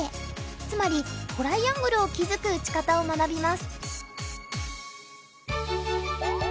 つまりトライアングルを築く打ち方を学びます。